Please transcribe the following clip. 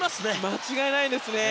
間違いないですね。